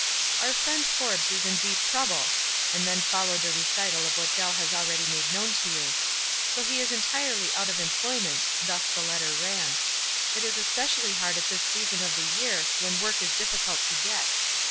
"Our friend Forbes is in deep trouble," and then followed a recital of what Dell has already made known to you. " So he is entirely out of employment," thus the letter ran. "It is es pecially hard at this season of the year, when work is difficult to ^et.